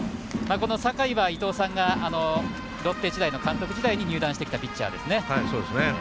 酒居は、伊東さんがロッテ時代の監督時代に入団してきたピッチャーですね。